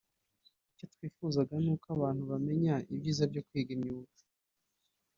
“Icyo twifuzaga ni uko abantu bamenya ibyiza byo kwiga imyuga